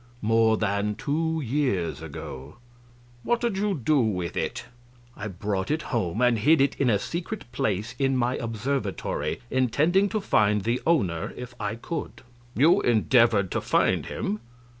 A. More than two years ago. Q. What did you do with it? A. I brought it home and hid it in a secret place in my observatory, intending to find the owner if I could. Q. You endeavored to find him?